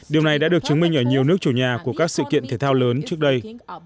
điều này đã được chứng minh ở nhiều nước chủ nhà của các sự kiện thể thao lớn trước đây